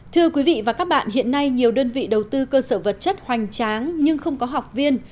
thưa quý vị và các bạn hiện nay nhiều đơn vị đầu tư cơ sở vật chất hoành tráng nhưng không có học viên